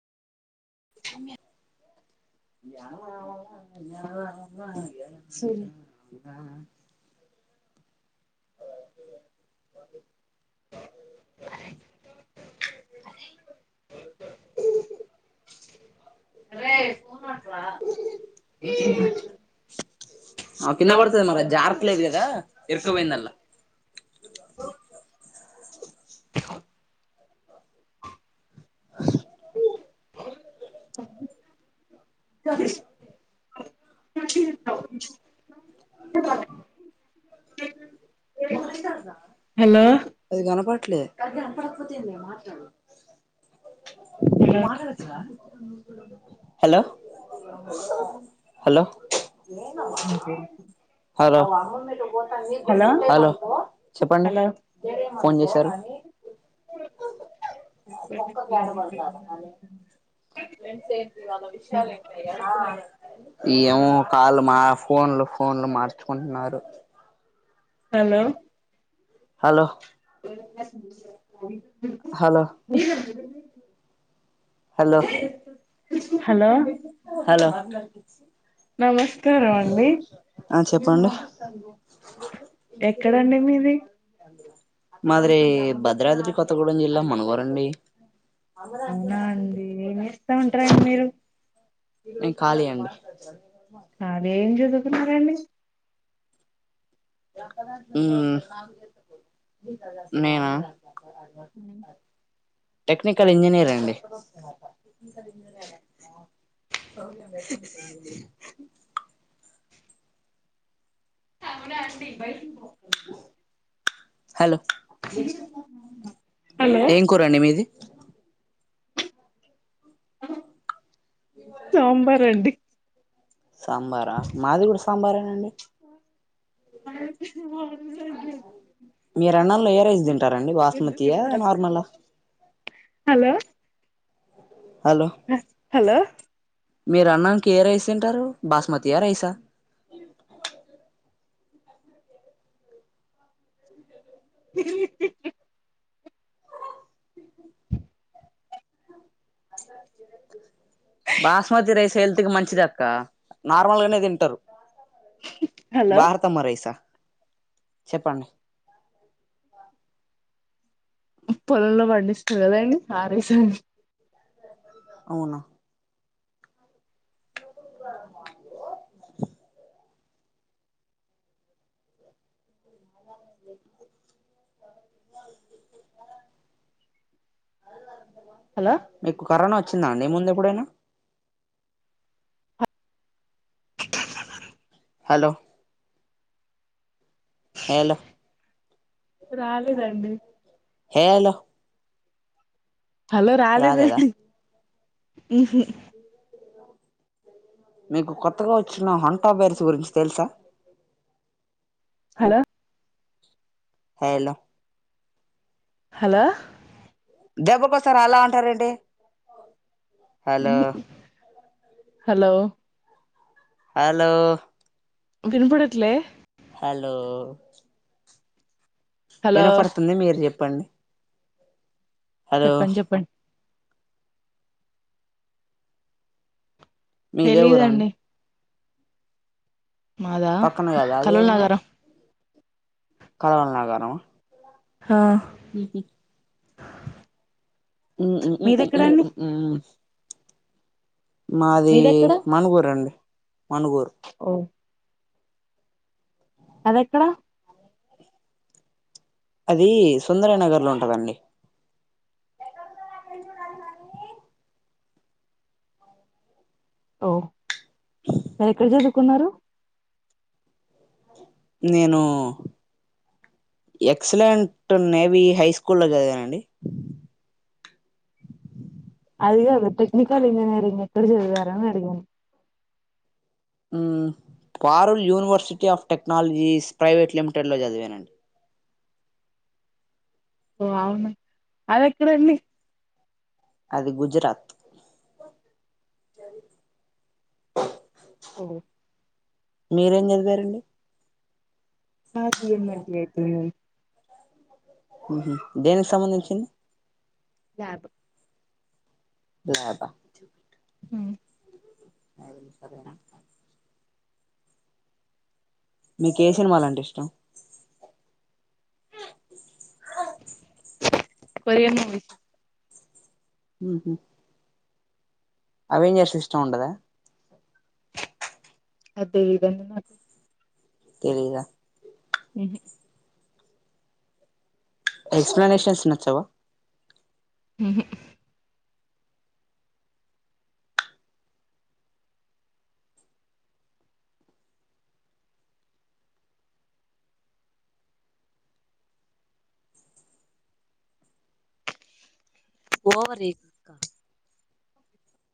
కా యా మా అయ్య సూరి అ అరే ఆ ఆ కింద పడ్తది మళ్ళా జారట్లేదు కదా ఇరకపోయింది ఆలా మాట్లాడ్ రా హలో ద్లే కల్లు కనపడకపోతే ఏంది మే మాట్లాడు హలో మాట్లాడొచ్చుగా హలో హలో నీకే హలో హలో చెప్పండి హలో ఫోన్ చేశారు ఇయము కాళ్లు మా ఫోన్లు ఫోన్లు మాట్ కుంటున్నారు హలో హలో ఏం చేస్తుంది ఉంది హుహు హలో మీద ఎవరు పెట్టిరు హలో హలో హలో నమస్కారం అండి ఆ చెప్పండి ఎక్కడండి మీది మాదిరి భద్రాద్రి కొత్తగూడెం జిల్లా మనుగోరండి ఆంధ్రాంత అవునా చెప్ అండి ఏం చేస్తావుంట్రాండి మీరు నే ఖాళీయే అండి మారెం చధువ్తు తున్నారండి హు మేమా హు టెక్నికల్ ఇంజనీరండి ఇందా రండి బయిటికి పోకూడదు హలో ఏం కూరండి మీది అ సాంబార్ అండి సాంబారా మాది కూడా సాంబారేనాండి అ మ మీరు ఎన్నల్లో ఏ రైస్ తింటారండి బాస్మతియా నార్మలా హలో హలో హలో మీరు అన్నానికి ఏ రైస్ తింటారు బాస్మతి ఏ రైస్ ఆ అ బాస్మతి రైస్ హెల్త్ కి మంచిది అక్క నార్మల్గానే తింటారు హలో బారతమా రైసా చెప్పండి పొలంలో పండిస్తురు కదాండి ఆరైస్ అవునా చ అ హలో మీకు కరోనా వ వచ్చిదాండి ముందు ఎప్పుడైనా. హలో హేలో రాలేదండి హేలో హలో రాలేదండి హుహు మీకు కొత్తగా వచ్చిన హంటా బైర్స్ గురించి తెలుసా. హలో హాలో హలో దెబ్బకొస్తారు అలా అంటారేండి హలో హలో హాలో వినబడట్లే హలో హలో వినపడుతుంది మీరు జెప్ ప్పండి చెప్పంన్ చెప్పండి మీదే ఊరండి తెలీదండి మాదా పక్కన కదా కలునగరం కలవాల్ర్ నాగారమ్ ఆ హీ హి ఉమ్మ్మ్ మీదెక్కడండి మ్మ్ మాది మీదెక్కడ మనగూరండి. మనుగుర్ ఓ అదే ఎక్కడా అది సుందరనగర్ లో ఉంటదండి. ఓ ఎక్కడ చదువ్ కున్నారు నేను ఎక్సలెంట్ నేవీ హై స్కూల్లో చదివానండి అది గాదు టెక్నికల్ ఇంజినీరింగ్ ఎక్కడ చదివారు అడిగిను హ్మ్మ్ Parul university of technologies private limited లో చదివానండి ఓ అవునా అది ఎక్కడండి అది గుజరాత్ ఓ మీరేం చదివారండి మాది [unintelligible] ఉహు దేనికి సంబంధించింది లాబ్ ల్యాబా ఉ [unintelligible] సరేనా మీకు ఏ సినిమాలు అంటే ఇష్టం కొరియన్ మూవీస్ ఉహు అవేంజర్స్ ఇష్టం ఉండదా అద్ దెలీదండి నాకు తెలీద ఉహు ఎక్స్ప్లనేషన్స్ నచ్చవా ఉహు ఉ ఓవర్ జేయక్ అక్క